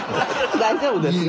大丈夫ですね。